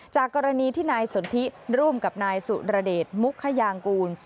จากกรณีที่นายสนทิร่วมกับนายสุรเดชมุคยางกูล